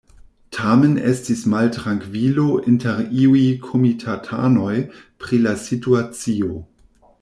Tamen estis maltrankvilo inter iuj komitatanoj pri la situacio.